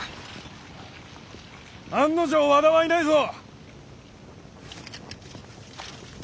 案の定和田はいないぞ。